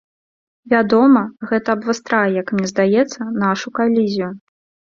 Вядома, гэта абвастрае, як мне здаецца, нашу калізію.